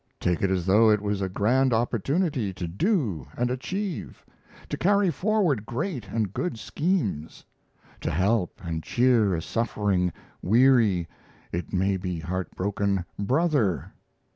Take it as though it was a grand opportunity to do and achieve, to carry forward great and good schemes; to help and cheer a suffering, weary, it may be heartbroken, brother.